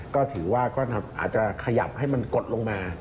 ก็ถือว่าก็อาจจะขยับให้มันกดลงมา